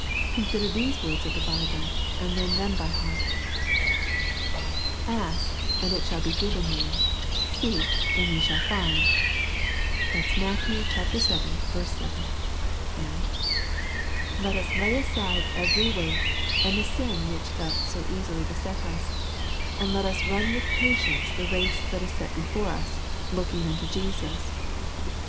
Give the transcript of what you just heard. Consider these words of the Bible, and learn them by heart. 62 SERMONS FOR CHILDREN. "Ask, and it shall be given you : seek, and ye shall find." (Matt. vii. 7.) " Let us lay aside every weight, and tlie sin which doth so easily beset us : and let us run with patience the race that is set before us, looking unto Jesus."